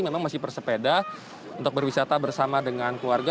memang masih bersepeda untuk berwisata bersama dengan keluarga